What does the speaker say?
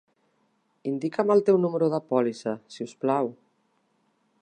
Indica'm el teu número de pòlissa, si us plau.